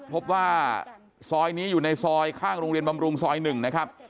พบว่าซอยนี้อยู่ในซอยข้างโรงเรียนบำรุงซอย๑นะครับ